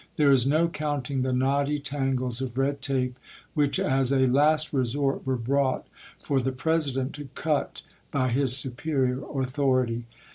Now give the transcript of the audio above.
There is no counting the knotty tangles of red tape which as a last resort were brought for the President to cut by his superior authority.